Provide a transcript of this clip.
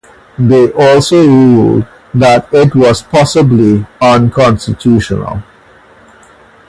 They also ruled that it was possibly unconstitutional.